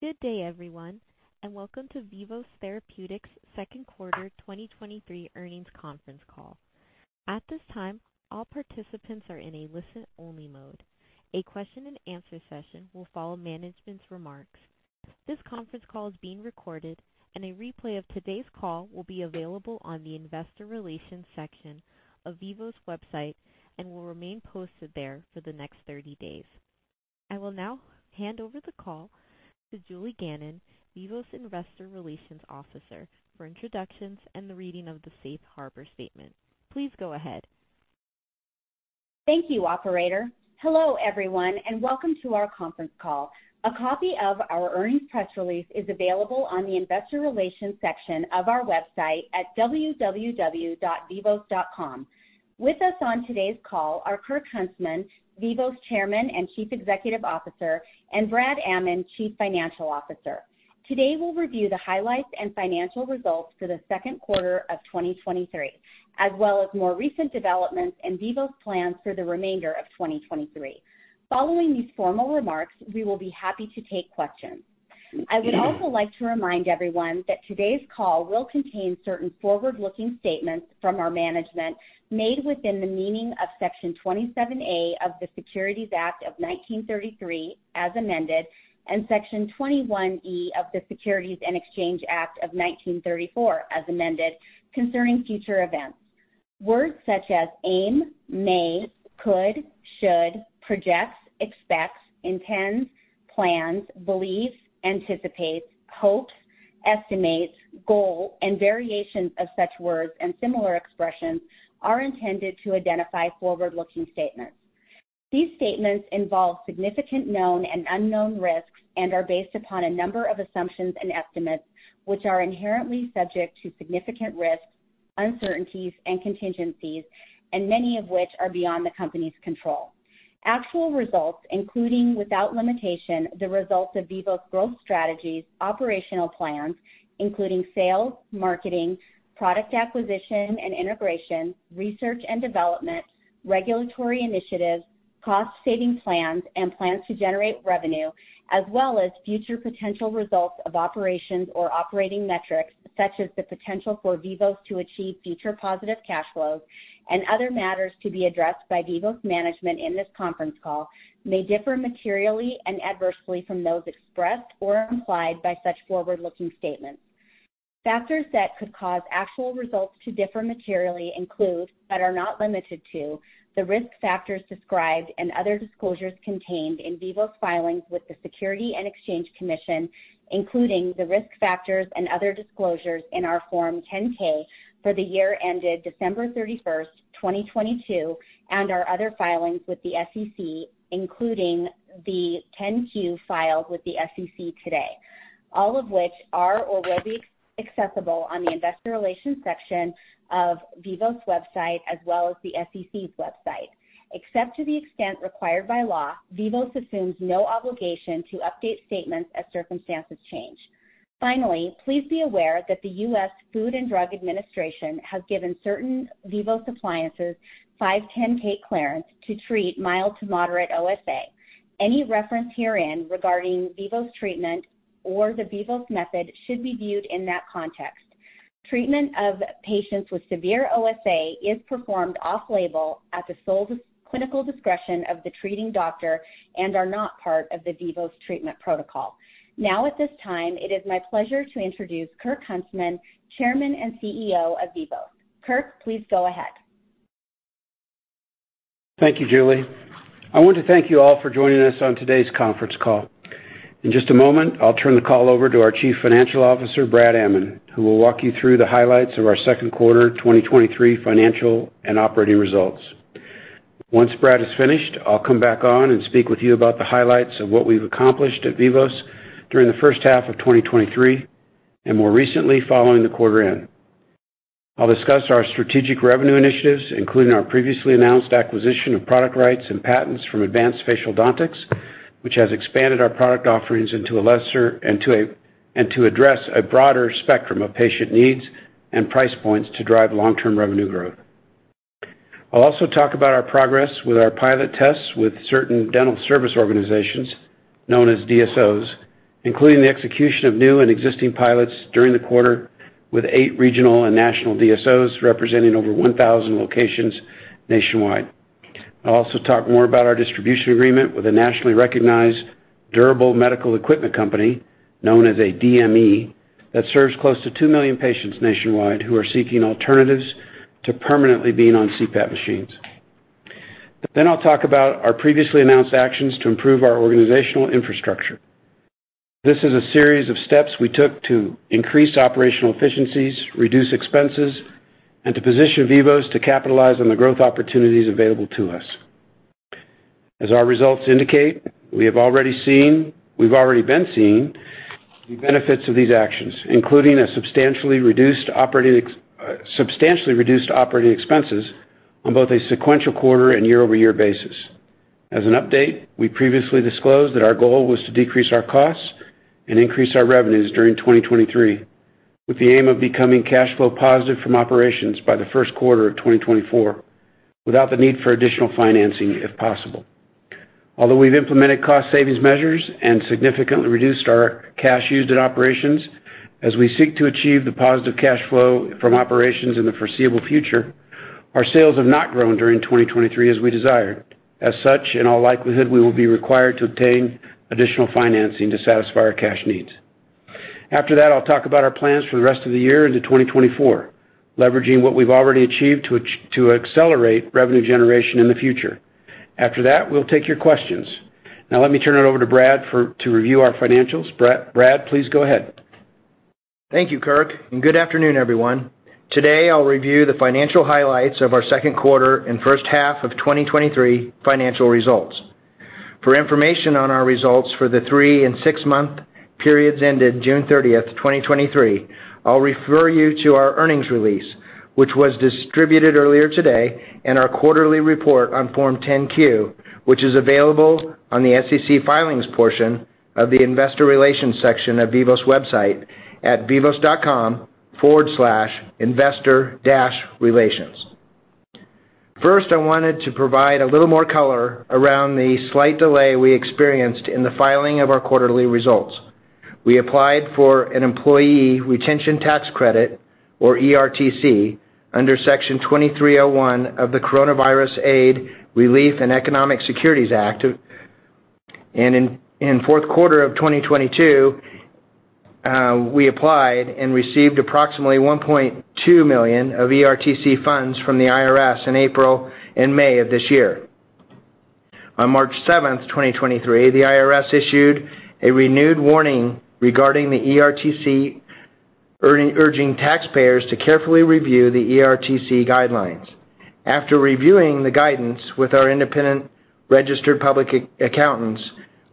Good day, everyone, and welcome to Vivos Therapeutics' Q2 2023 earnings conference call. At this time, all participants are in a listen-only mode. A question-and-answer session will follow management's remarks. This conference call is being recorded. A replay of today's call will be available on the investor relations section of Vivos website and will remain posted there for the next 30 days. I will now hand over the call to Julie Gannon, Vivos Investor Relations Officer, for introductions and the reading of the Safe Harbor statement. Please go ahead. Thank you, operator. Hello, everyone, and welcome to our conference call. A copy of our earnings press release is available on the investor relations section of our website at www.vivos.com. With us on today's call are Kirk Huntsman, Vivos Chairman and Chief Executive Officer, and Brad Amman, Chief Financial Officer. Today, we'll review the highlights and financial results for the Q2 of 2023, as well as more recent developments and Vivos plans for the remainder of 2023. Following these formal remarks, we will be happy to take questions. I would also like to remind everyone that today's call will contain certain forward-looking statements from our management made within the meaning of Section 27A of the Securities Act of 1933, as amended, and Section 21E of the Securities Exchange Act of 1934, as amended, concerning future events. Words such as aim, may, could, should, projects, expects, intends, plans, believes, anticipates, hopes, estimates, goal, and variations of such words and similar expressions are intended to identify forward-looking statements. These statements involve significant known and unknown risks and are based upon a number of assumptions and estimates, which are inherently subject to significant risks, uncertainties, and contingencies, and many of which are beyond the company's control. Actual results, including without limitation, the results of Vivos' growth strategies, operational plans, including sales, marketing, product acquisition and integration, research and development, regulatory initiatives, cost-saving plans, and plans to generate revenue, as well as future potential results of operations or operating metrics, such as the potential for Vivos to achieve future positive cash flows and other matters to be addressed by Vivos management in this conference call, may differ materially and adversely from those expressed or implied by such forward-looking statements. Factors that could cause actual results to differ materially include, but are not limited to, the risk factors described and other disclosures contained in Vivos filings with the Securities and Exchange Commission, including the risk factors and other disclosures in our Form 10-K for the year ended December 31st, 2022, and our other filings with the SEC, including the Form 10-Q filed with the SEC today, all of which are or will be accessible on the Investor Relations section of Vivos website, as well as the SEC's website. Except to the extent required by law, Vivos assumes no obligation to update statements as circumstances change. Finally, please be aware that the U.S. Food and Drug Administration has given certain Vivos appliances 510(k) clearance to treat mild to moderate OSA. Any reference herein regarding Vivos treatment or the Vivos method should be viewed in that context. Treatment of patients with severe OSA is performed off-label at the sole clinical discretion of the treating doctor and are not part of the Vivos treatment protocol. At this time, it is my pleasure to introduce Kirk Huntsman, Chairman and CEO of Vivos. Kirk, please go ahead. Thank you, Julie. I want to thank you all for joining us on today's conference call. In just a moment, I'll turn the call over to our Chief Financial Officer, Brad Amman, who will walk you through the highlights of our Q2 2023 financial and operating results. Once Brad is finished, I'll come back on and speak with you about the highlights of what we've accomplished at Vivos during the first half of 2023, and more recently, following the quarter end. I'll discuss our strategic revenue initiatives, including our previously announced acquisition of product rights and patents from Advanced Facialdontics, LLC, which has expanded our product offerings and to address a broader spectrum of patient needs and price points to drive long-term revenue growth. I'll also talk about our progress with our pilot tests with certain Dental Service Organizations, known as DSOs, including the execution of new and existing pilots during the quarter with eight regional and national DSOs, representing over 1,000 locations nationwide. I'll also talk more about our distribution agreement with a nationally recognized Durable Medical Equipment company, known as a DME, that serves close to 2 million patients nationwide who are seeking alternatives to permanently being on CPAP machines. I'll talk about our previously announced actions to improve our organizational infrastructure. This is a series of steps we took to increase operational efficiencies, reduce expenses, and to position Vivos to capitalize on the growth opportunities available to us. As our results indicate, we've already been seeing the benefits of these actions, including a substantially reduced operating expenses on both a sequential quarter and year-over-year basis. As an update, we previously disclosed that our goal was to decrease our costs and increase our revenues during 2023, with the aim of becoming cash flow positive from operations by the Q1 of 2024, without the need for additional financing, if possible. Although we've implemented cost savings measures and significantly reduced our cash used in operations, as we seek to achieve the positive cash flow from operations in the foreseeable future, our sales have not grown during 2023 as we desired. As such, in all likelihood, we will be required to obtain additional financing to satisfy our cash needs. After that, I'll talk about our plans for the rest of the year into 2024, leveraging what we've already achieved to accelerate revenue generation in the future. After that, we'll take your questions. Now, let me turn it over to Brad for, to review our financials. Brad, Brad, please go ahead. Thank you, Kirk, and good afternoon, everyone. Today, I'll review the financial highlights of our Q2 and first half of 2023 financial results. For information on our results for the three and six-month periods ended June thirtieth, 2023, I'll refer you to our earnings release, which was distributed earlier today, and our quarterly report on Form 10-Q, which is available on the SEC Filings portion of the Investor Relations section of Vivos website at vivos.com/investor-relations. First, I wanted to provide a little more color around the slight delay we experienced in the filing of our quarterly results. We applied for an Employee Retention Tax Credit, or ERTC, under Section 2301 of the Coronavirus Aid, Relief, and Economic Security Act. In Q4 of 2022, we applied and received approximately $1.2 million of ERTC funds from the IRS in April and May of this year. On March 7, 2023, the IRS issued a renewed warning regarding the ERTC, urging, urging taxpayers to carefully review the ERTC guidelines. After reviewing the guidance with our independent registered public accountants,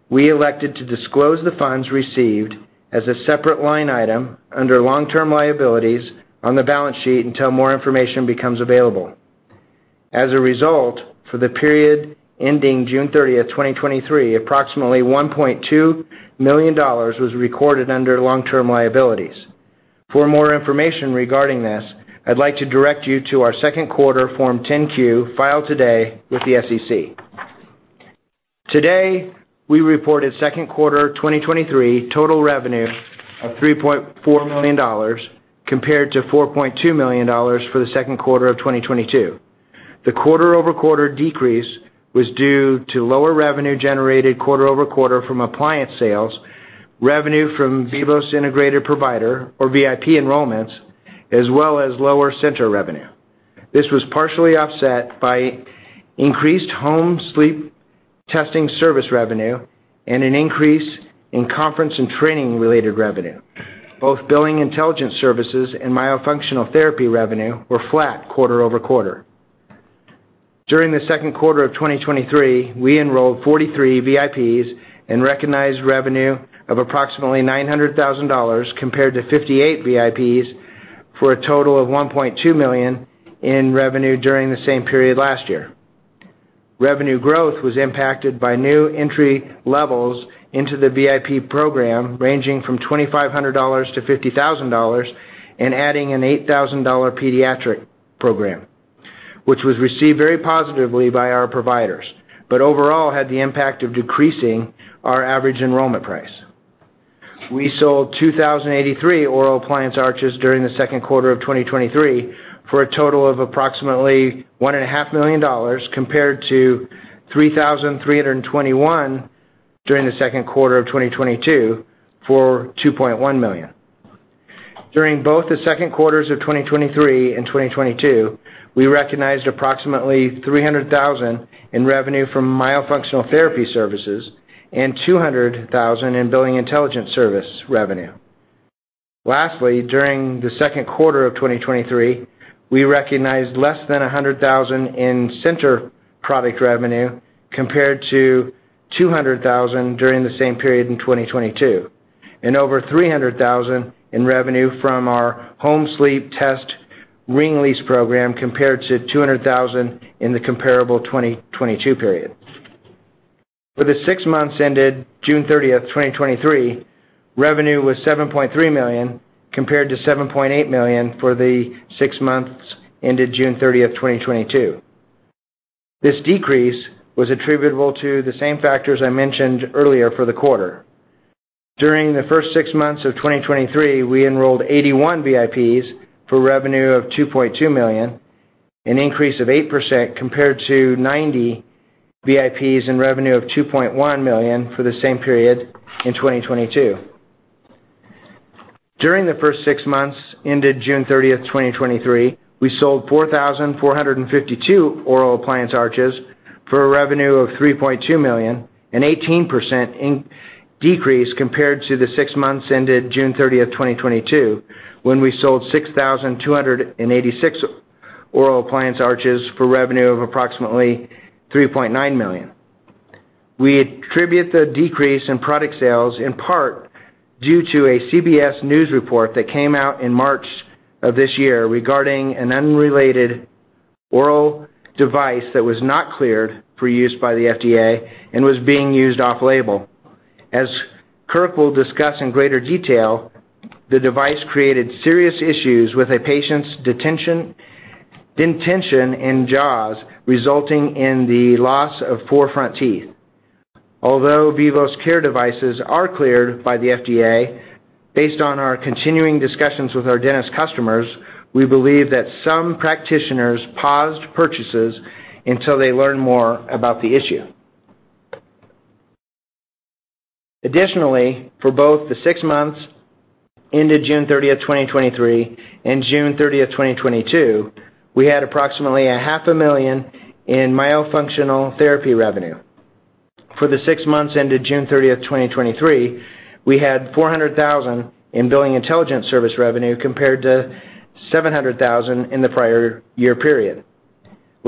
we elected to disclose the funds received as a separate line item under long-term liabilities on the balance sheet until more information becomes available. As a result, for the period ending June 30, 2023, approximately $1.2 million was recorded under long-term liabilities. For more information regarding this, I'd like to direct you to our Q2 Form 10-Q, filed today with the SEC. Today, we reported Q2 2023 total revenue of $3.4 million, compared to $4.2 million for the Q2 of 2022. The quarter-over-quarter decrease was due to lower revenue generated quarter-over-quarter from appliance sales, revenue from Vivos Integrated Provider, or VIP enrollments, as well as lower center revenue. This was partially offset by increased Home Sleep Testing service revenue and an increase in conference and training-related revenue. Both Billing Intelligence Services and Myofunctional Therapy revenue were flat quarter-over-quarter. During the Q2 of 2023, we enrolled 43 VIPs and recognized revenue of approximately $900,000, compared to 58 VIPs for a total of $1.2 million in revenue during the same period last year. Revenue growth was impacted by new entry levels into the VIP program, ranging from $2,500 to $50,000 and adding an $8,000 pediatric program, which was received very positively by our providers, but overall had the impact of decreasing our average enrollment price. We sold 2,083 oral appliance arches during the second Q2 of 2023, for a total of approximately $1.5 million, compared to 3,321 during the Q2 of 2022, for $2.1 million. During both the Q2 of 2023 and 2022, we recognized approximately $300,000 in revenue from myofunctional therapy services and $200,000 in billing intelligence service revenue. Lastly, during the second Q2 of 2023, we recognized less than $100,000 in center product revenue, compared to $200,000 during the same period in 2022, and over $300,000 in revenue from our home sleep test ring lease program, compared to $200,000 in the comparable 2022 period. For the six months ended June 30th, 2023, revenue was $7.3 million, compared to $7.8 million for the six months ended June 30th, 2022. This decrease was attributable to the same factors I mentioned earlier for the quarter. During the first six months of 2023, we enrolled 81 VIPs for revenue of $2.2 million, an increase of 8% compared to 90 VIPs in revenue of $2.1 million for the same period in 2022. During the first six months ended June thirtieth, 2023, we sold 4,452 oral appliance arches for a revenue of $3.2 million, an 18% decrease compared to the six months ended June thirtieth, 2022, when we sold 6,286 oral appliance arches for revenue of approximately $3.9 million. We attribute the decrease in product sales in part due to a CBS News report that came out in March of this year regarding an unrelated oral device that was not cleared for use by the FDA and was being used off-label. As Kirk will discuss in greater detail, the device created serious issues with a patient's detention, dentition in jaws, resulting in the loss of four front teeth. Although Vivos CARE devices are cleared by the FDA, based on our continuing discussions with our dentist customers, we believe that some practitioners paused purchases until they learn more about the issue. For both the six months ended June thirtieth, 2023, and June thirtieth, 2022, we had approximately $500,000 in Myofunctional Therapy revenue. For the six months ended June thirtieth, 2023, we had $400,000 in Billing Intelligence Services revenue, compared to $700,000 in the prior year period. For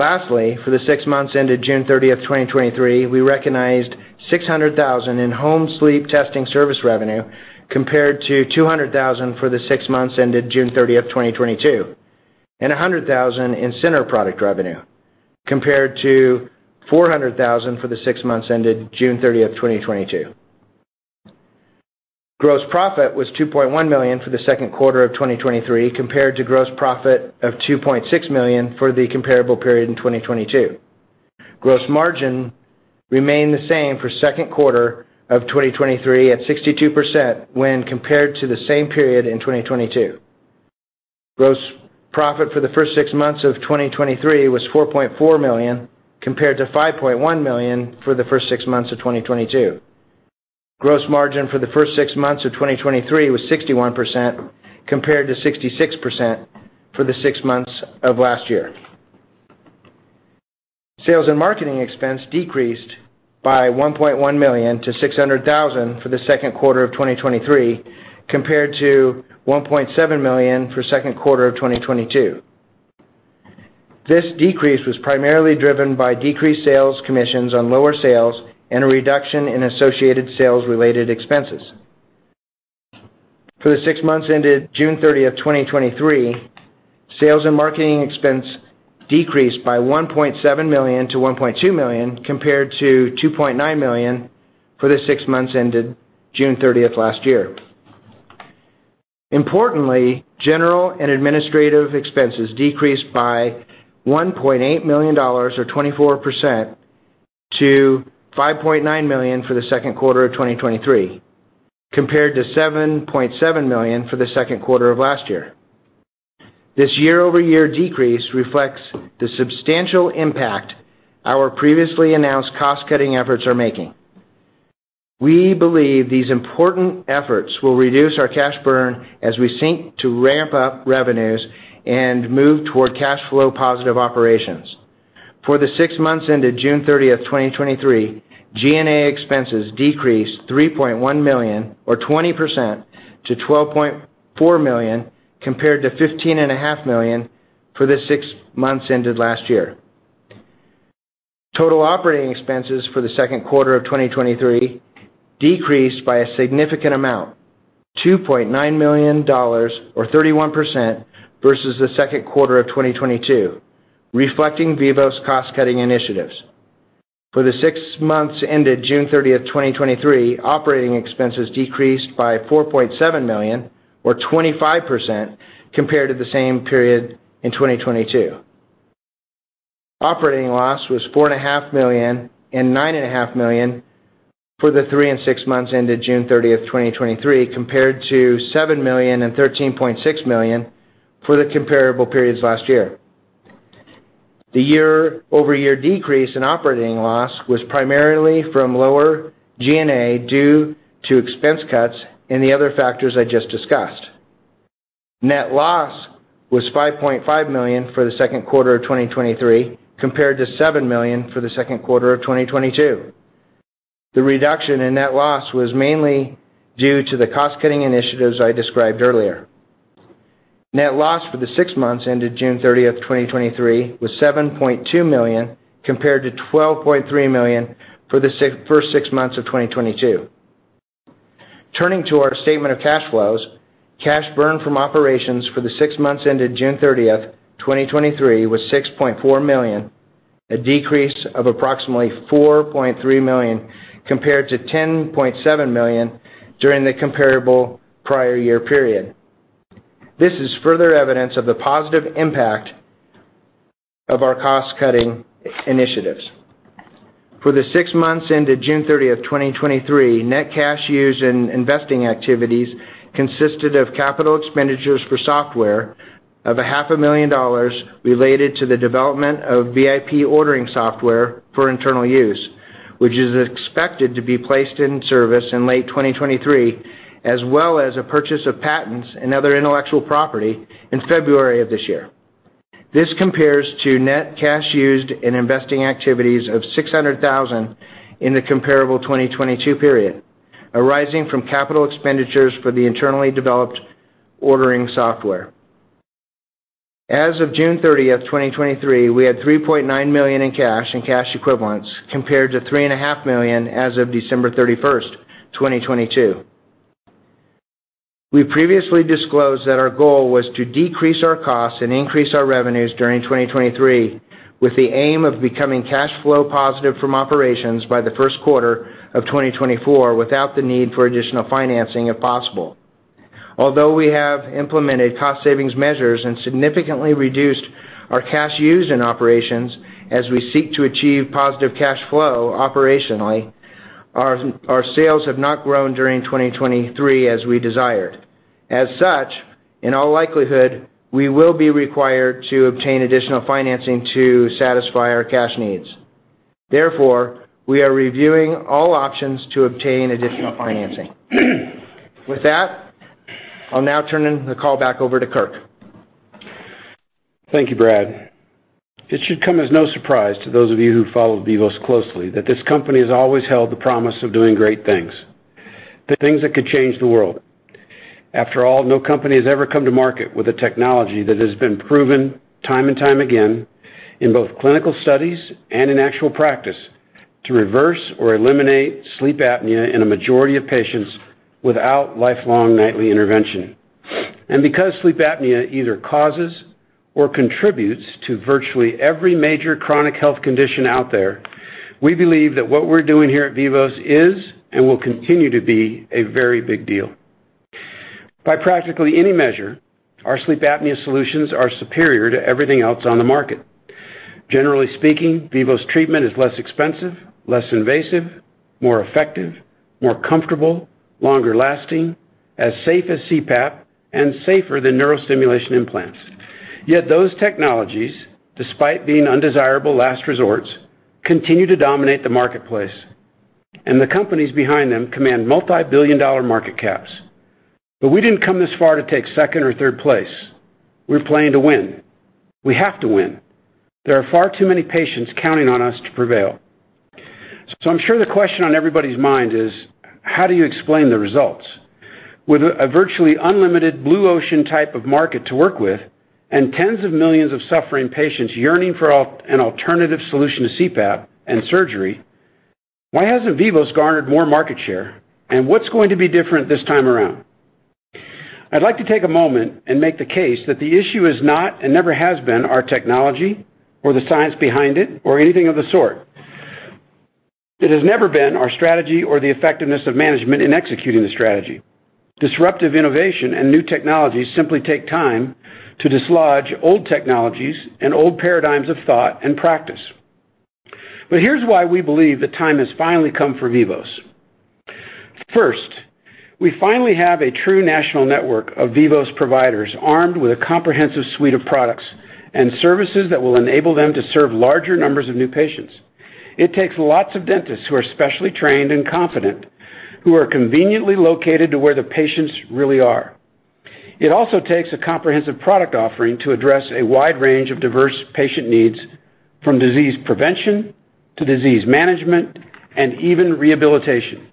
the six months ended June thirtieth, 2023, we recognized $600,000 in Home Sleep Testing service revenue, compared to $200,000 for the six months ended June thirtieth, 2022, and $100,000 in center product revenue, compared to $400,000 for the six months ended June thirtieth, 2022. Gross profit was $2.1 million for the Q2 of 2023, compared to gross profit of $2.6 million for the comparable period in 2022. Gross margin remained the same for Q2 of 2023 at 62% when compared to the same period in 2022. Gross profit for the first six months of 2023 was $4.4 million, compared to $5.1 million for the first six months of 2022. Gross margin for the first six months of 2023 was 61%, compared to 66% for the six months of last year. Sales and marketing expense decreased by $1.1 million to $600,000 for the Q2 of 2023, compared to $1.7 million Q2 of 2022. This decrease was primarily driven by decreased sales commissions on lower sales and a reduction in associated sales-related expenses. For the six months ended June 30, 2023, sales and marketing expense decreased by $1.7 million to $1.2 million, compared to $2.9 million for the six months ended June 30 last year. Importantly, general and administrative expenses decreased by $1.8 million, or 24%, to $5.9 million for the Q2 of 2023, compared to $7.7 million for the Q2 of last year. This year-over-year decrease reflects the substantial impact our previously announced cost-cutting efforts are making. We believe these important efforts will reduce our cash burn as we seek to ramp up revenues and move toward cash flow positive operations. For the six months ended June 30, 2023, GNA expenses decreased $3.1 million, or 20%, to $12.4 million, compared to $15.5 million for the six months ended last year. Total operating expenses for the 2Q 2023 decreased by a significant amount, $2.9 million or 31%, versus the 2Q 2022, reflecting Vivos cost-cutting initiatives. For the six months ended June 30, 2023, operating expenses decreased by $4.7 million, or 25%, compared to the same period in 2022. Operating loss was $4.5 million and $9.5 million for the three and six months ended June 30, 2023, compared to $7 million and $13.6 million for the comparable periods last year. The year-over-year decrease in operating loss was primarily from lower GNA due to expense cuts and the other factors I just discussed. Net loss was $5.5 million for the Q2 of 2023, compared to $7 million for the Q2 of 2022. The reduction in net loss was mainly due to the cost-cutting initiatives I described earlier. Net loss for the six months ended June 30th, 2023, was $7.2 million, compared to $12.3 million for the first six months of 2022. Turning to our statement of cash flows, cash burn from operations for the six months ended June 30th, 2023, was $6.4 million, a decrease of approximately $4.3 million compared to $10.7 million during the comparable prior year period. This is further evidence of the positive impact of our cost-cutting initiatives. For the six months ended June 30th, 2023, net cash used in investing activities consisted of capital expenditures for software of $500,000 related to the development of VIP ordering software for internal use, which is expected to be placed in service in late 2023, as well as a purchase of patents and other intellectual property in February of this year. This compares to net cash used in investing activities of $600,000 in the comparable 2022 period, arising from capital expenditures for the internally developed ordering software. As of June 30th, 2023, we had $3.9 million in cash and cash equivalents, compared to $3.5 million as of December 31st, 2022. We previously disclosed that our goal was to decrease our costs and increase our revenues during 2023, with the aim of becoming cash flow positive from operations by the Q1 of 2024, without the need for additional financing if possible. Although we have implemented cost savings measures and significantly reduced our cash used in operations as we seek to achieve positive cash flow operationally, our sales have not grown during 2023 as we desired. In all likelihood, we will be required to obtain additional financing to satisfy our cash needs. We are reviewing all options to obtain additional financing. With that, I'll now turn the call back over to Kirk. Thank you, Brad. It should come as no surprise to those of you who followed Vivos closely, that this company has always held the promise of doing great things, the things that could change the world. After all, no company has ever come to market with a technology that has been proven time and time again in both clinical studies and in actual practice, to reverse or eliminate sleep apnea in a majority of patients without lifelong nightly intervention. Because sleep apnea either causes or contributes to virtually every major chronic health condition out there, we believe that what we're doing here at Vivos is and will continue to be a very big deal. By practically any measure, our sleep apnea solutions are superior to everything else on the market. Generally speaking, Vivos treatment is less expensive, less invasive, more effective, more comfortable, longer lasting, as safe as CPAP, and safer than Neurostimulation implants. Yet those technologies, despite being undesirable, last resorts, continue to dominate the marketplace, and the companies behind them command multibillion-dollar market caps. We didn't come this far to take second or third place. We're playing to win. We have to win. There are far too many patients counting on us to prevail. I'm sure the question on everybody's mind is: how do you explain the results? With a virtually unlimited blue ocean type of market to work with, and tens of millions of suffering patients yearning for an alternative solution to CPAP and surgery, why hasn't Vivos garnered more market share? What's going to be different this time around? I'd like to take a moment and make the case that the issue is not and never has been our technology or the science behind it or anything of the sort. It has never been our strategy or the effectiveness of management in executing the strategy. Disruptive innovation and new technologies simply take time to dislodge old technologies and old paradigms of thought and practice. Here's why we believe the time has finally come for Vivos. First, we finally have a true national network of Vivos providers, armed with a comprehensive suite of products and services that will enable them to serve larger numbers of new patients. It takes lots of dentists who are specially trained and competent, who are conveniently located to where the patients really are. It also takes a comprehensive product offering to address a wide range of diverse patient needs, from disease prevention to disease management and even rehabilitation.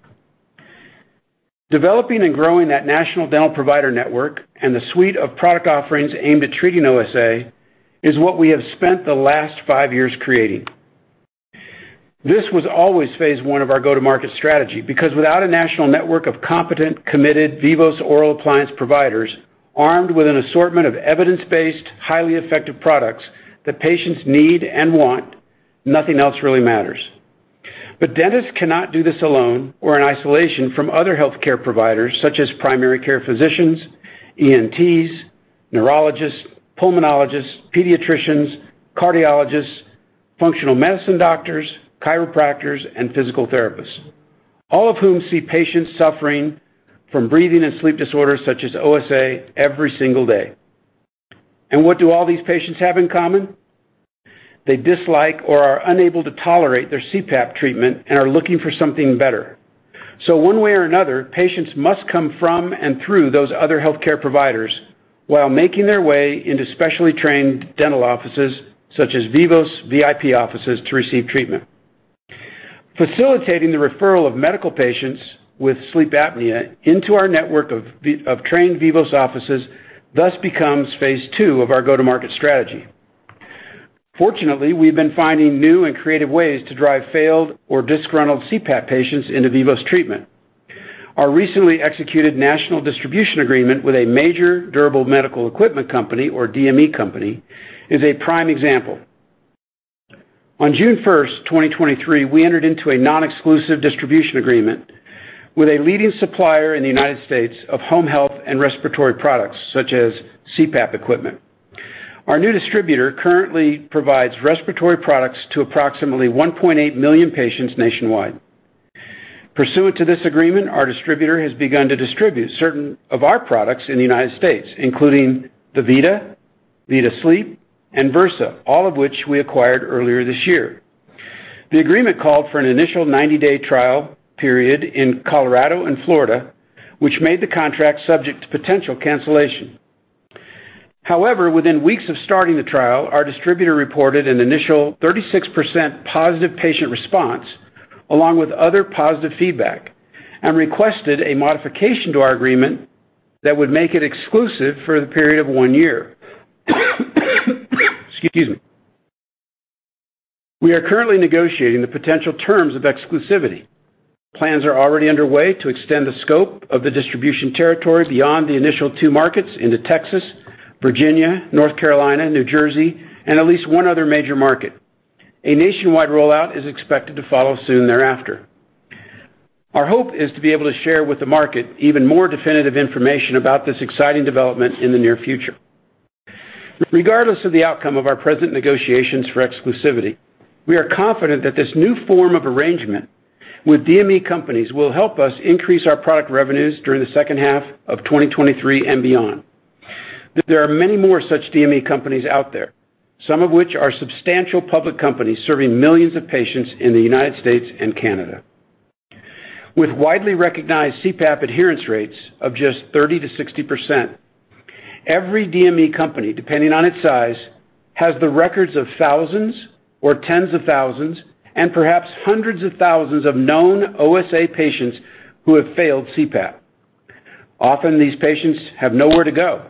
Developing and growing that national dental provider network and the suite of product offerings aimed at treating OSA, is what we have spent the last five years creating. This was always phase one of our go-to-market strategy, because without a national network of competent, committed Vivos oral appliance providers, armed with an assortment of evidence-based, highly effective products that patients need and want, nothing else really matters. Dentists cannot do this alone or in isolation from other healthcare providers, such as primary care physicians, ENTs, neurologists, pulmonologists, pediatricians, cardiologists, functional medicine doctors, chiropractors, and physical therapists. All of whom see patients suffering from breathing and sleep disorders such as OSA every single day. What do all these patients have in common? They dislike or are unable to tolerate their CPAP treatment and are looking for something better. One way or another, patients must come from and through those other healthcare providers while making their way into specially trained dental offices such as Vivos VIP offices, to receive treatment. Facilitating the referral of medical patients with sleep apnea into our network of trained Vivos offices thus becomes phase two of our go-to-market strategy. Fortunately, we've been finding new and creative ways to drive failed or disgruntled CPAP patients into Vivos treatment. Our recently executed national distribution agreement with a major Durable Medical Equipment company, or DME company, is a prime example. On June 1, 2023, we entered into a non-exclusive distribution agreement with a leading supplier in the United States of home health and respiratory products, such as CPAP equipment. Our new distributor currently provides respiratory products to approximately 1.8 million patients nationwide. Pursuant to this agreement, our distributor has begun to distribute certain of our products in the United States, including the Vivos, Vivos Sleep, and Versa, all of which we acquired earlier this year. The agreement called for an initial 90-day trial period in Colorado and Florida, which made the contract subject to potential cancellation. However, within weeks of starting the trial, our distributor reported an initial 36% positive patient response, along with other positive feedback, and requested a modification to our agreement that would make it exclusive for the period of 1 year. Excuse me. We are currently negotiating the potential terms of exclusivity. Plans are already underway to extend the scope of the distribution territory beyond the initial 2 markets into Texas, Virginia, North Carolina, New Jersey and at least one other major market. A nationwide rollout is expected to follow soon thereafter. Our hope is to be able to share with the market even more definitive information about this exciting development in the near future. Regardless of the outcome of our present negotiations for exclusivity, we are confident that this new form of arrangement with DME companies will help us increase our product revenues during the second half of 2023 and beyond. There are many more such DME companies out there, some of which are substantial public companies serving millions of patients in the United States and Canada. With widely recognized CPAP adherence rates of just 30%-60%, every DME company, depending on its size, has the records of thousands or tens of thousands and perhaps hundreds of thousands of known OSA patients who have failed CPAP. Often, these patients have nowhere to go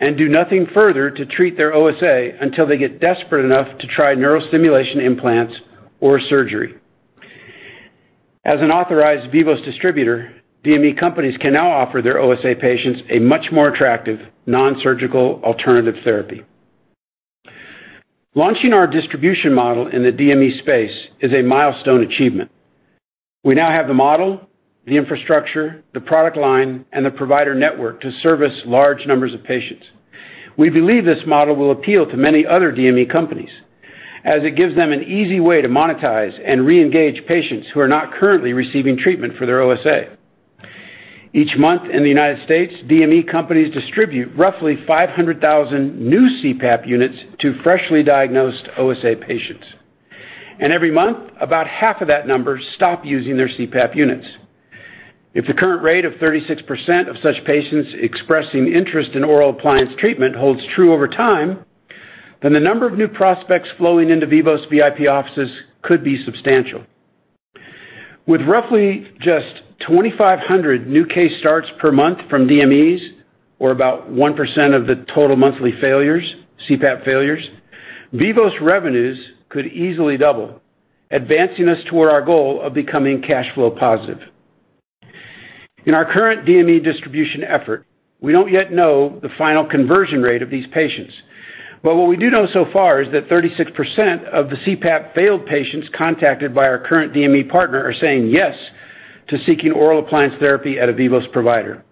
and do nothing further to treat their OSA until they get desperate enough to try neurostimulation implants or surgery. As an authorized Vivos distributor, DME companies can now offer their OSA patients a much more attractive non-surgical alternative therapy. Launching our distribution model in the DME space is a milestone achievement. We now have the model, the infrastructure, the product line and the provider network to service large numbers of patients. We believe this model will appeal to many other DME companies, as it gives them an easy way to monetize and reengage patients who are not currently receiving treatment for their OSA. Each month in the United States, DME companies distribute roughly 500,000 new CPAP units to freshly diagnosed OSA patients. Every month, about half of that number stop using their CPAP units. If the current rate of 36% of such patients expressing interest in oral appliance treatment holds true over time, the number of new prospects flowing into Vivos VIP offices could be substantial. With roughly just 2,500 new case starts per month from DMEs, or about 1% of the total monthly failures, CPAP failures, Vivos revenues could easily double, advancing us toward our goal of becoming cash flow positive. In our current DME distribution effort, we don't yet know the final conversion rate of these patients, but what we do know so far is that 36% of the CPAP failed patients contacted by our current DME partner are saying yes to seeking oral appliance therapy at a Vivos provider.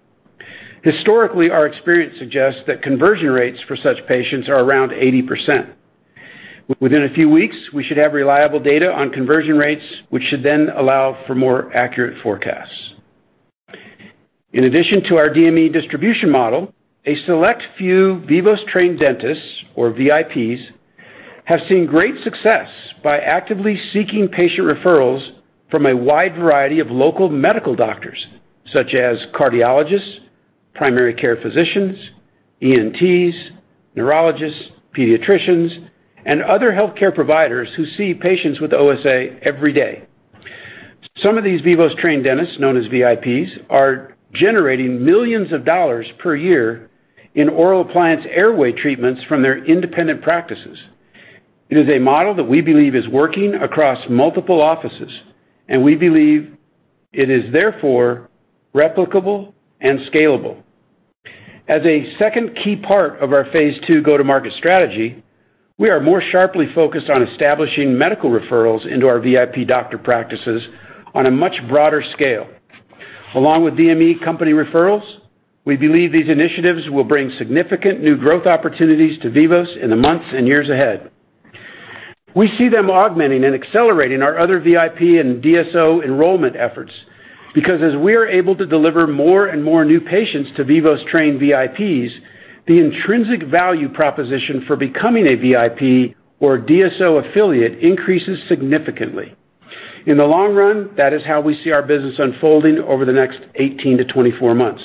Historically, our experience suggests that conversion rates for such patients are around 80%. Within a few weeks, we should have reliable data on conversion rates, which should then allow for more accurate forecasts. In addition to our DME distribution model, a select few Vivos-trained dentists, or VIPs, have seen great success by actively seeking patient referrals from a wide variety of local medical doctors, such as cardiologists, primary care physicians, ENTs, neurologists, pediatricians, and other healthcare providers who see patients with OSA every day. Some of these Vivos-trained dentists, known as VIPs, are generating millions of dollars per year in oral appliance airway treatments from their independent practices. It is a model that we believe is working across multiple offices, and we believe it is therefore replicable and scalable. As a second key part of our phase two go-to-market strategy, we are more sharply focused on establishing medical referrals into our VIP doctor practices on a much broader scale. Along with DME company referrals, we believe these initiatives will bring significant new growth opportunities to Vivos in the months and years ahead. We see them augmenting and accelerating our other VIP and DSO enrollment efforts because as we are able to deliver more and more new patients to Vivos-trained VIPs, the intrinsic value proposition for becoming a VIP or DSO affiliate increases significantly. In the long run, that is how we see our business unfolding over the next 18 to 24 months.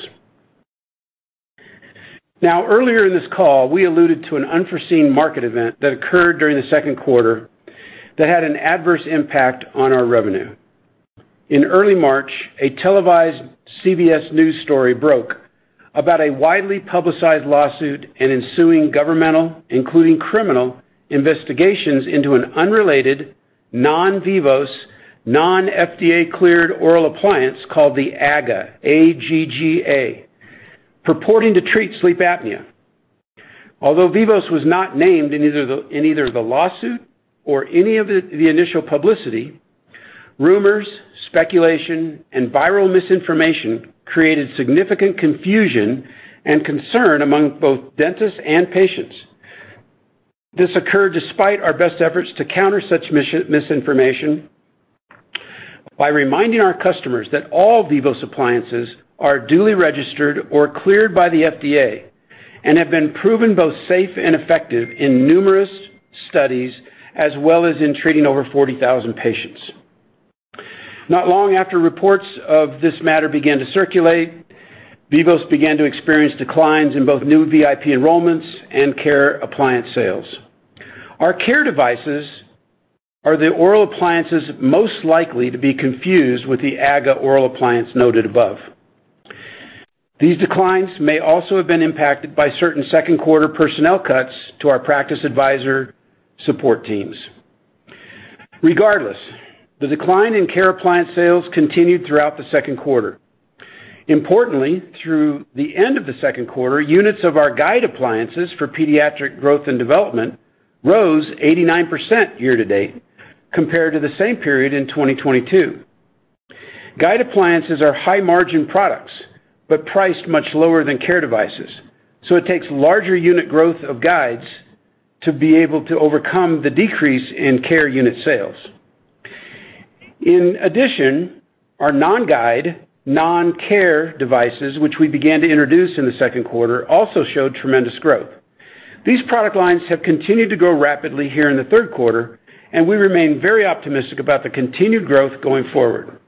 Now, earlier in this call, we alluded to an unforeseen market event that occurred during the second quarter that had an adverse impact on our revenue. In early March, a televised CBS News story broke about a widely publicized lawsuit and ensuing governmental, including criminal, investigations into an unrelated, non-Vivos, non-FDA cleared oral appliance called the AGGA, A-G-G-A, purporting to treat sleep apnea. Although Vivos was not named in either the lawsuit or any of the initial publicity, rumors, speculation, and viral misinformation created significant confusion and concern among both dentists and patients. This occurred despite our best efforts to counter such misinformation by reminding our customers that all Vivos appliances are duly registered or cleared by the FDA and have been proven both safe and effective in numerous studies, as well as in treating over 40,000 patients. Not long after reports of this matter began to circulate, Vivos began to experience declines in both new VIP enrollments and CARE appliance sales. Our CARE devices are the oral appliances most likely to be confused with the AGGA oral appliance noted above. These declines may also have been impacted by certain Q2 personnel cuts to our practice advisor support teams. Regardless, the decline in CARE appliance sales continued throughout the Q1. Importantly, through the end of the Q2, units of our Guide appliances for pediatric growth and development rose 89% year to date, compared to the same period in 2022. Guide appliances are high margin products, priced much lower than CARE devices, it takes larger unit growth of Guides to be able to overcome the decrease in CARE unit sales. In addition, our non-Guide, non-CARE devices, which we began to introduce in the Q2, also showed tremendous growth. These product lines have continued to grow rapidly here in the Q3, we remain very optimistic about the continued growth going forward.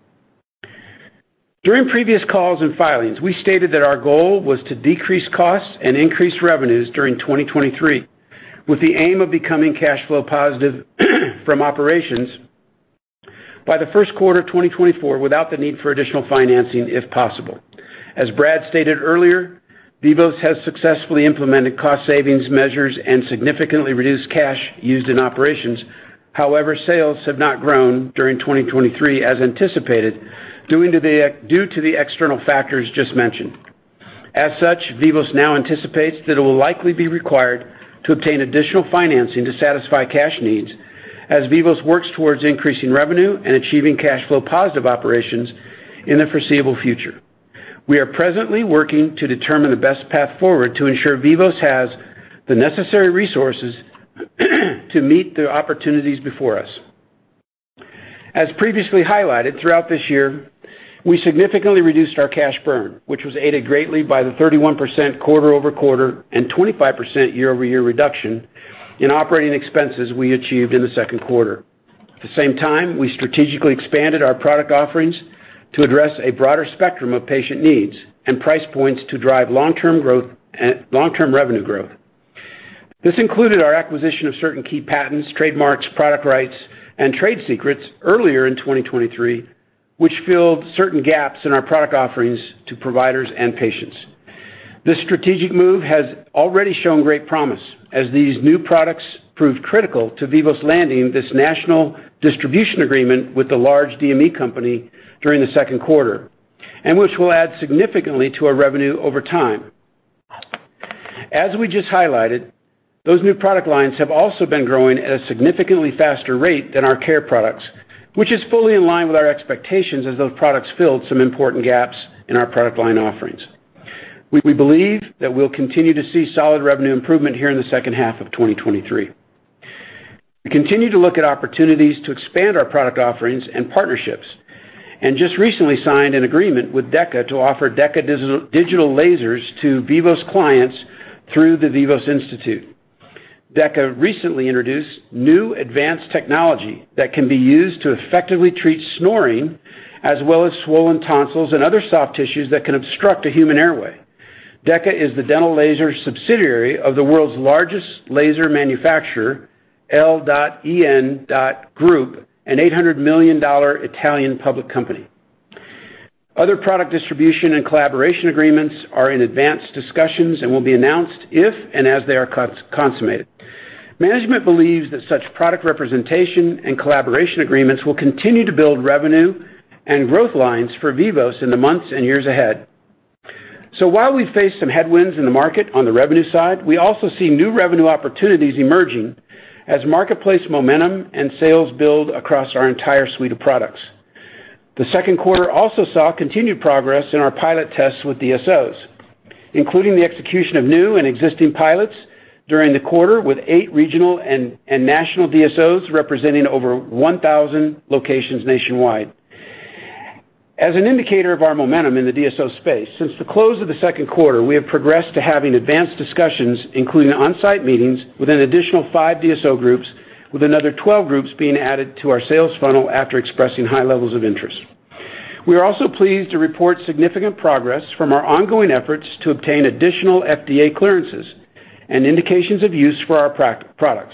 During previous calls and filings, we stated that our goal was to decrease costs and increase revenues during 2023, with the aim of becoming cash flow positive from operations by the Q1 of 2024, without the need for additional financing, if possible. As Brad stated earlier, Vivos has successfully implemented cost savings measures and significantly reduced cash used in operations. However, sales have not grown during 2023 as anticipated, due to the external factors just mentioned. As such, Vivos now anticipates that it will likely be required to obtain additional financing to satisfy cash needs as Vivos works towards increasing revenue and achieving cash flow positive operations in the foreseeable future. We are presently working to determine the best path forward to ensure Vivos has the necessary resources to meet the opportunities before us. As previously highlighted, throughout this year, we significantly reduced our cash burn, which was aided greatly by the 31% quarter-over-quarter and 25% year-over-year reduction in operating expenses we achieved in the Q2. At the same time, we strategically expanded our product offerings to address a broader spectrum of patient needs and price points to drive long-term growth and long-term revenue growth. This included our acquisition of certain key patents, trademarks, product rights, and trade secrets earlier in 2023, which filled certain gaps in our product offerings to providers and patients. This strategic move has already shown great promise, as these new products proved critical to Vivos landing this national distribution agreement with the large DME company during the Q2, and which will add significantly to our revenue over time. As we just highlighted, those new product lines have also been growing at a significantly faster rate than our CARE products, which is fully in line with our expectations as those products filled some important gaps in our product line offerings. We believe that we'll continue to see solid revenue improvement here in the second half of 2023. We continue to look at opportunities to expand our product offerings and partnerships, and just recently signed an agreement with DEKA to offer DEKA digital lasers to Vivos clients through The Vivos Institute. DEKA recently introduced new advanced technology that can be used to effectively treat snoring, as well as swollen tonsils and other soft tissues that can obstruct the human airway. DEKA is the dental laser subsidiary of the world's largest laser manufacturer, El.En. Group, an $800 million Italian public company. Other product distribution and collaboration agreements are in advanced discussions and will be announced if and as they are consummated. Management believes that such product representation and collaboration agreements will continue to build revenue and growth lines for Vivos in the months and years ahead. While we face some headwinds in the market on the revenue side, we also see new revenue opportunities emerging as marketplace momentum and sales build across our entire suite of products. The Q2 also saw continued progress in our pilot tests with DSOs, including the execution of new and existing pilots during the quarter with eight regional and national DSOs, representing over 1,000 locations nationwide. As an indicator of our momentum in the DSO space, since the close of the Q2, we have progressed to having advanced discussions, including on-site meetings with an additional 5 DSO groups, with another 12 groups being added to our sales funnel after expressing high levels of interest. We are also pleased to report significant progress from our ongoing efforts to obtain additional FDA clearances and indications of use for our products.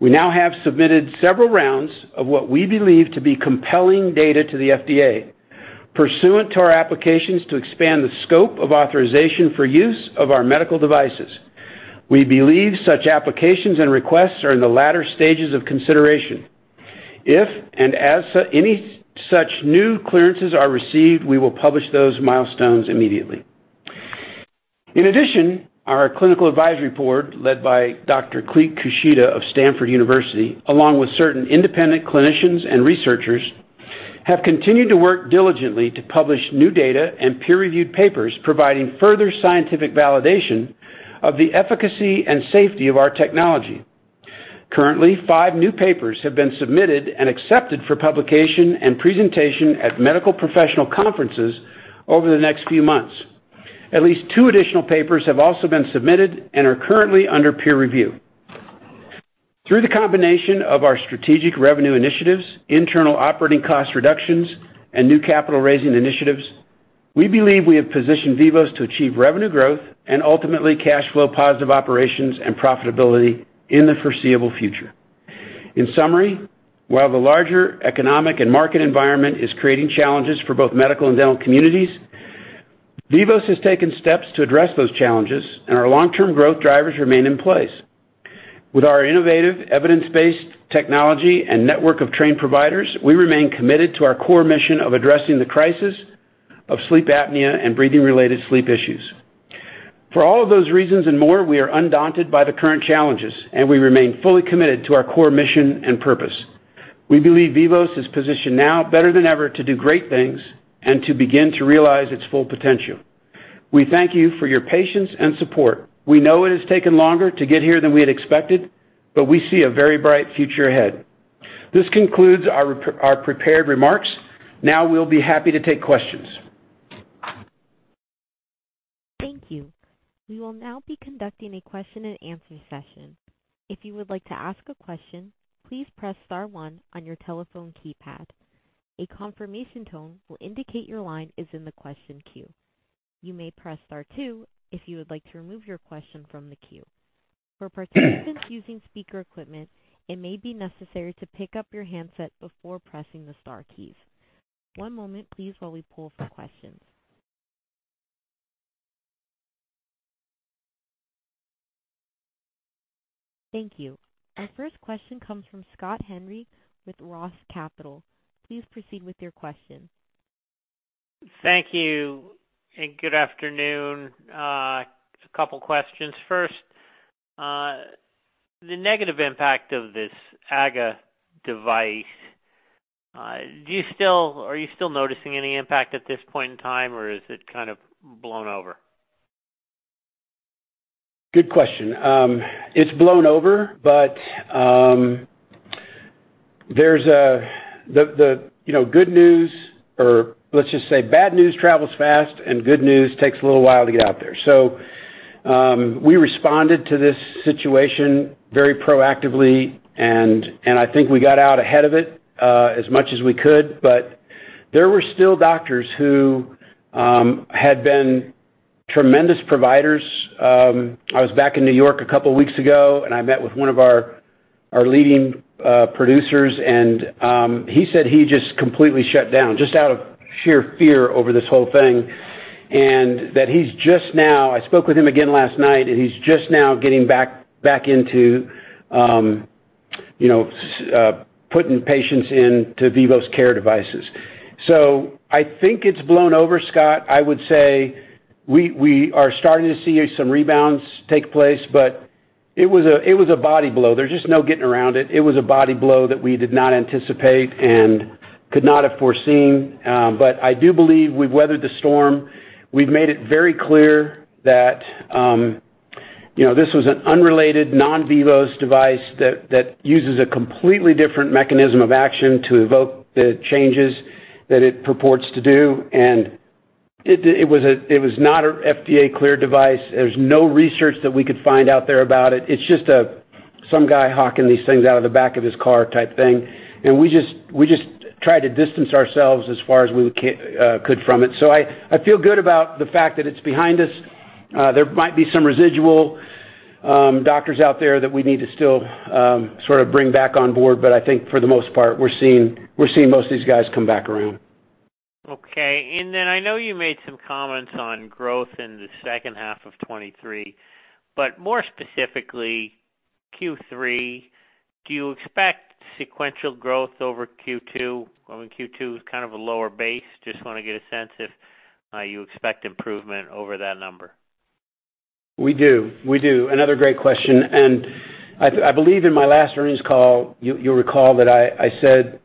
We now have submitted several rounds of what we believe to be compelling data to the FDA, pursuant to our applications to expand the scope of authorization for use of our medical devices. We believe such applications and requests are in the latter stages of consideration. If and as so, any such new clearances are received, we will publish those milestones immediately. In addition, our clinical advisory board, led by Dr. Clete Kushida of Stanford University, along with certain independent clinicians and researchers, have continued to work diligently to publish new data and peer-reviewed papers, providing further scientific validation of the efficacy and safety of our technology. Currently, five new papers have been submitted and accepted for publication and presentation at medical professional conferences over the next few months. At least two additional papers have also been submitted and are currently under peer review. Through the combination of our strategic revenue initiatives, internal operating cost reductions, and new capital raising initiatives, we believe we have positioned Vivos to achieve revenue growth and ultimately cash flow positive operations and profitability in the foreseeable future....In summary, while the larger economic and market environment is creating challenges for both medical and dental communities, Vivos has taken steps to address those challenges, and our long-term growth drivers remain in place. With our innovative, evidence-based technology and network of trained providers, we remain committed to our core mission of addressing the crisis of sleep apnea and breathing-related sleep issues. For all of those reasons and more, we are undaunted by the current challenges, and we remain fully committed to our core mission and purpose. We believe Vivos is positioned now better than ever to do great things and to begin to realize its full potential. We thank you for your patience and support. We know it has taken longer to get here than we had expected, but we see a very bright future ahead. This concludes our prepared remarks. Now, we'll be happy to take questions. Thank you. We will now be conducting a question-and-answer session. If you would like to ask a question, please press star one on your telephone keypad. A confirmation tone will indicate your line is in the question queue. You may press star two if you would like to remove your question from the queue. For participants using speaker equipment, it may be necessary to pick up your handset before pressing the star keys. One moment, please, while we pull for questions. Thank you. Our first question comes from Scott Henry with Roth Capital Partners. Please proceed with your question. Thank you, and good afternoon. A couple questions. First, the negative impact of this AGGA device, are you still noticing any impact at this point in time, or is it kind of blown over? Good question. It's blown over, but, you know, good news or let's just say, bad news travels fast and good news takes a little while to get out there. We responded to this situation very proactively, and I think we got out ahead of it as much as we could. There were still doctors who had been tremendous providers. I was back in New York 2 weeks ago, and I met with one of our leading producers, and he said he just completely shut down, just out of sheer fear over this whole thing, and that he's just now... I spoke with him again last night, and he's just now getting back, back into, you know, putting patients into Vivos CARE devices. I think it's blown over, Scott. I would say we, we are starting to see some rebounds take place, but it was a, it was a body blow. There's just no getting around it. It was a body blow that we did not anticipate and could not have foreseen, but I do believe we've weathered the storm. We've made it very clear that, you know, this was an unrelated, non-Vivos device that, that uses a completely different mechanism of action to evoke the changes that it purports to do. It was not a FDA-cleared device. There's no research that we could find out there about it. It's just a, some guy hawking these things out of the back of his car type thing, and we just tried to distance ourselves as far as we could from it. I, I feel good about the fact that it's behind us. There might be some residual doctors out there that we need to still sort of bring back on board, but I think for the most part, we're seeing, we're seeing most of these guys come back around. Okay, and then I know you made some comments on growth in the second half of 2023, but more specifically, Q3, do you expect sequential growth over Q2? Over Q2 is kind of a lower base. Just want to get a sense if you expect improvement over that number. We do. We do. Another great question, I, I believe in my last earnings call, you, you'll recall that I, I said,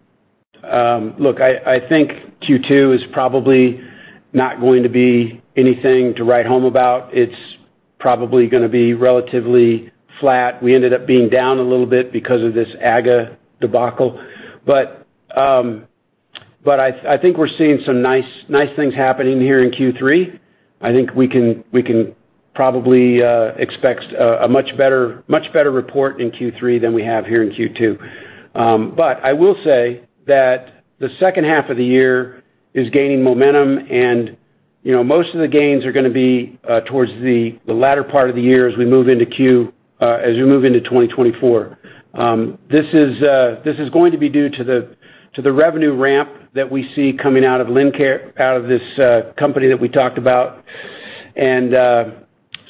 "Look, I, I think Q2 is probably not going to be anything to write home about. It's probably gonna be relatively flat." We ended up being down a little bit because of this AGA debacle. I, I think we're seeing some nice, nice things happening here in Q3. I think we can, we can probably expect a much better, much better report in Q3 than we have here in Q2. I will say that the second half of the year is gaining momentum, and you know, most of the gains are gonna be towards the latter part of the year as we move into 2024. This is, this is going to be due to the, to the revenue ramp that we see coming out of Lincare, out of this, company that we talked about.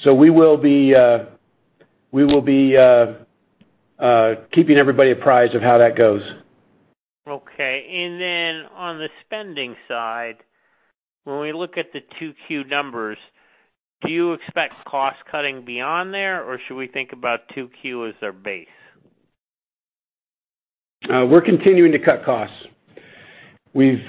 So we will be, we will be, keeping everybody apprised of how that goes. Okay, and then on the spending side, when we look at the 2Q numbers, do you expect cost-cutting beyond there, or should we think about 2Q as their base? We're continuing to cut costs. We've,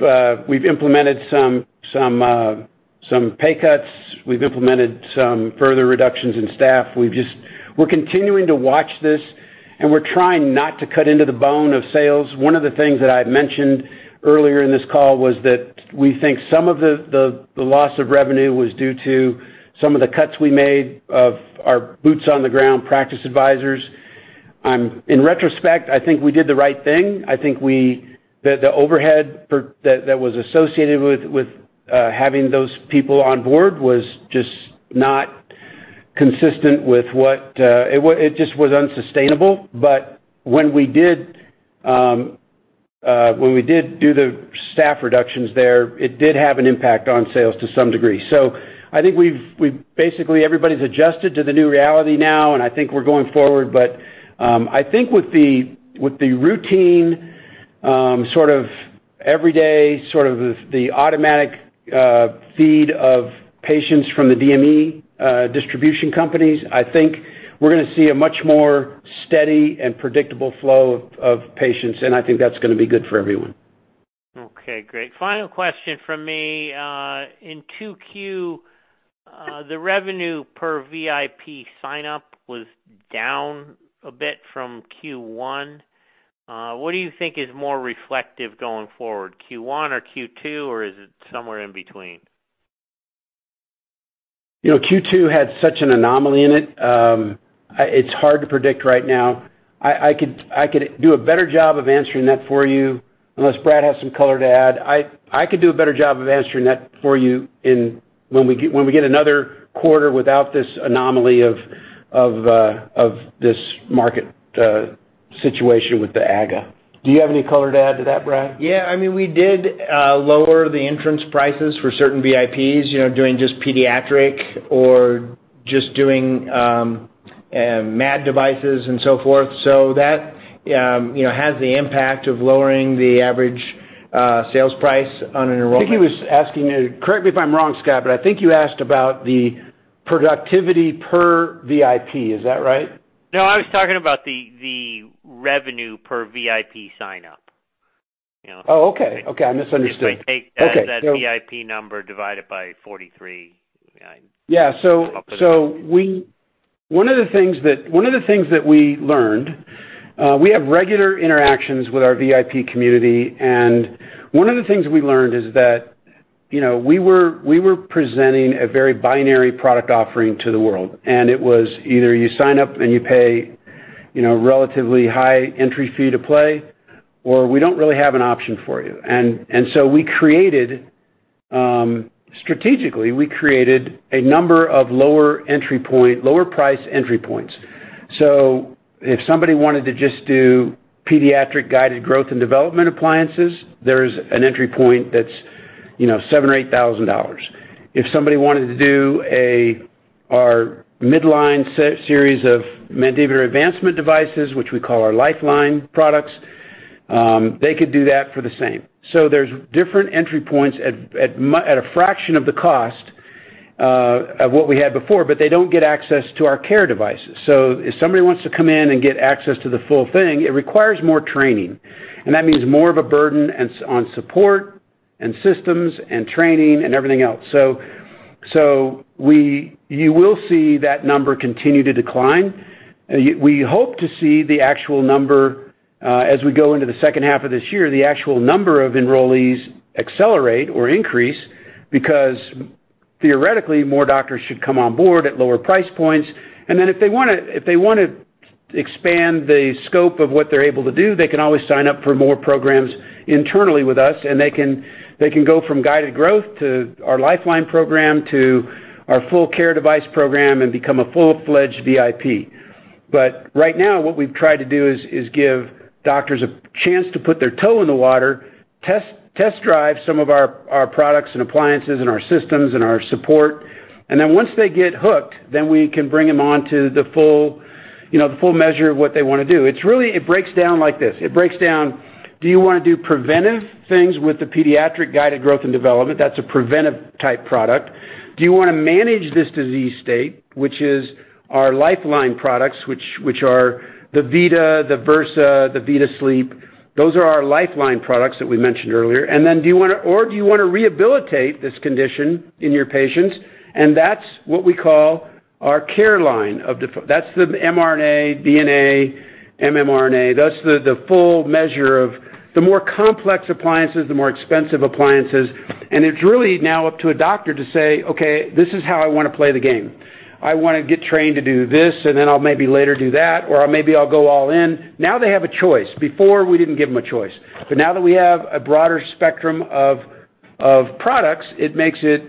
we've implemented some, some pay cuts. We've implemented some further reductions in staff. We're continuing to watch this, and we're trying not to cut into the bone of sales. One of the things that I had mentioned earlier in this call was that we think some of the, the, the loss of revenue was due to some of the cuts we made of our boots-on-the-ground practice advisors. In retrospect, I think we did the right thing. I think the overhead for, that, that was associated with, with having those people on board was just not consistent with what it just was unsustainable. When we did, when we did do the staff reductions there, it did have an impact on sales to some degree. I think we've, basically, everybody's adjusted to the new reality now, and I think we're going forward. I think with the, with the routine, sort of everyday, sort of the, the automatic feed of patients from the DME distribution companies, I think we're gonna see a much more steady and predictable flow of patients, and I think that's gonna be good for everyone. Okay, great. Final question from me. In 2Q, the revenue per VIP sign-up was down a bit from Q1. What do you think is more reflective going forward, Q1 or Q2, or is it somewhere in between? You know, Q2 had such an anomaly in it. It's hard to predict right now. I could do a better job of answering that for you, unless Brad has some color to add. I could do a better job of answering that for you when we get another quarter without this anomaly of this market situation with the AGA. Do you have any color to add to that, Brad? Yeah, I mean, we did lower the entrance prices for certain VIPs, you know, doing just pediatric or just doing MAD devices and so forth. That, you know, has the impact of lowering the average sales price on an enrollment. I think he was asking, correct me if I'm wrong, Scott, but I think you asked about the productivity per VIP. Is that right? No, I was talking about the, the revenue per VIP sign-up, you know? Oh, okay. Okay, I misunderstood. If I take that- Okay. VIP number, divide it by 43, yeah. One of the things that, one of the things that we learned, we have regular interactions with our VIP community, and one of the things we learned is that, you know, we were, we were presenting a very binary product offering to the world, and it was either you sign up and you pay, you know, a relatively high entry fee to play, or we don't really have an option for you. We created, strategically, we created a number of lower price entry points. If somebody wanted to just do pediatric guided growth and development appliances, there is an entry point that's, you know, $7,000-$8,000. If somebody wanted to do our midline series of mandibular advancement devices, which we call our lifeline products, they could do that for the same. There's different entry points at a fraction of the cost of what we had before, but they don't get access to our CARE devices. If somebody wants to come in and get access to the full thing, it requires more training, and that means more of a burden and on support, and systems, and training, and everything else. You will see that number continue to decline. We hope to see the actual number as we go into the second half of this year, the actual number of enrollees accelerate or increase, because theoretically, more doctors should come on board at lower price points. If they wanna, if they wanna expand the scope of what they're able to do, they can always sign up for more programs internally with us, and they can, they can go from guided growth to our Lifeline program to our full CARE device program and become a full-fledged VIP. Right now, what we've tried to do is, is give doctors a chance to put their toe in the water, test, test drive some of our, our products and appliances and our systems and our support, and then once they get hooked, then we can bring them on to the full, you know, the full measure of what they wanna do. It's really, it breaks down like this. It breaks down: do you wanna do preventive things with the pediatric guided growth and development? That's a preventive type product. Do you wanna manage this disease state, which is our Lifeline products, which, which are the Vivi, the Versa, the Vivi Sleep? Those are our Lifeline products that we mentioned earlier. Do you wanna rehabilitate this condition in your patients? That's what we call our CARE line that's the mRNA, DNA, mmRNA. That's the, the full measure of the more complex appliances, the more expensive appliances, and it's really now up to a doctor to say, "Okay, this is how I wanna play the game. I wanna get trained to do this, and then I'll maybe later do that, or maybe I'll go all in." Now they have a choice. Before, we didn't give them a choice. Now that we have a broader spectrum of, of products, it makes it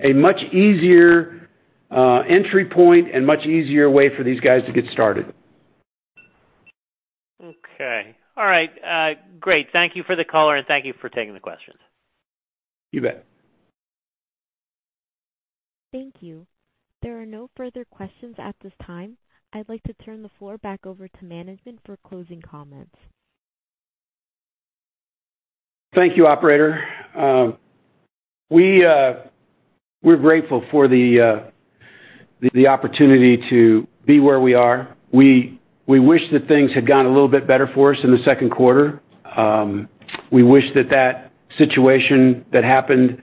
a much easier entry point and much easier way for these guys to get started. Okay. All right, great. Thank you for the color, and thank you for taking the questions. You bet. Thank you. There are no further questions at this time. I'd like to turn the floor back over to management for closing comments. Thank you, operator. We're grateful for the opportunity to be where we are. We wish that things had gone a little bit better for us in the Q2. We wish that that situation that happened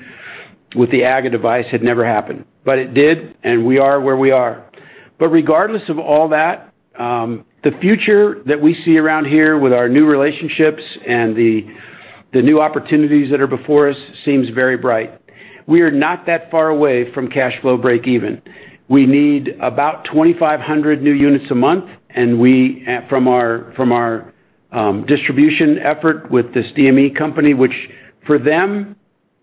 with the AGA device had never happened, but it did, and we are where we are. Regardless of all that, the future that we see around here with our new relationships and the new opportunities that are before us seems very bright. We are not that far away from cash flow breakeven. We need about 2,500 new units a month, from our distribution effort with this DME company, which for them,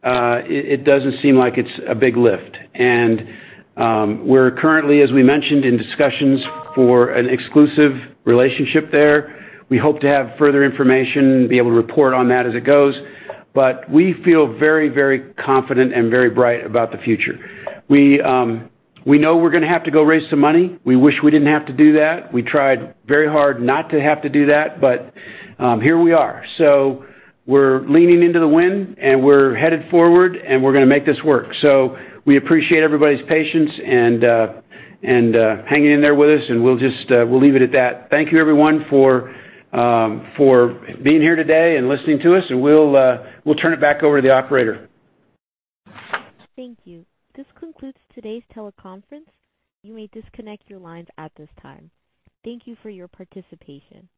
it doesn't seem like it's a big lift. We're currently, as we mentioned, in discussions for an exclusive relationship there. We hope to have further information, be able to report on that as it goes, but we feel very, very confident and very bright about the future. We, we know we're gonna have to go raise some money. We wish we didn't have to do that. We tried very hard not to have to do that, but, here we are. We're leaning into the wind, and we're headed forward, and we're gonna make this work. We appreciate everybody's patience and, and, hanging in there with us, and we'll just, we'll leave it at that. Thank you, everyone, for, for being here today and listening to us, and we'll, we'll turn it back over to the operator. Thank you. This concludes today's teleconference. You may disconnect your lines at this time. Thank you for your participation.